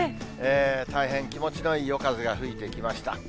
大変気持ちのいい夜風が吹いてきました。